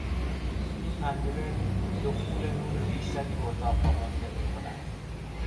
این پنجره دخول نور بیشتری به اتاق را ممکن میکند.